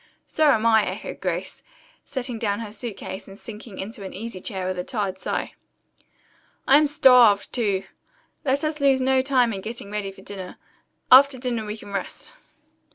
"So am I," echoed Grace, setting down her suit case and sinking into an easy chair with a tired sigh. "I am starved, too. Let us lose no time in getting ready for dinner. After dinner we can rest."